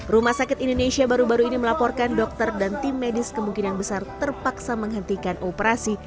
rumah sakit indonesia baru baru ini melaporkan dokter dan tim medis kemungkinan besar terpaksa menghentikan operasi